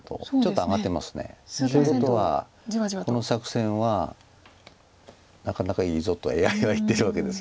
っていうことはこの作戦はなかなかいいぞとＡＩは言ってるわけです。